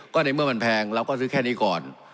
ก็ในเมื่อมันแพงเราก็ซื้อแค่นี้ก่อน